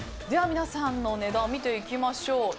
では皆さんの値段見ていきましょう。